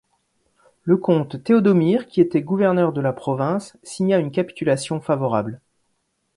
Le comte Théodomir, qui était gouverneur de la province, signa une capitulation favorable.